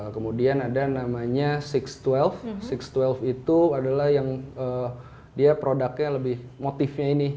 kemudian ada namanya enam ratus dua belas enam ratus dua belas itu adalah yang dia produknya lebih motifnya ini